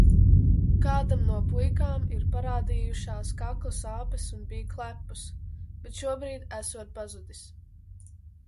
Kādam no puikām ir parādījušās kakla sāpes un bija klepus, bet šobrīd esot pazudis.